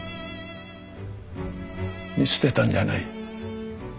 「見捨てたんじゃない。